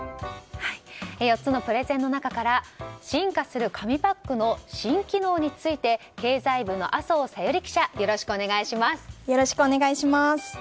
４つのプレゼンの中から進化する紙パックの新機能について経済部の麻生小百合記者お願いします。